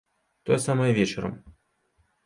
Тое самае і вечарам.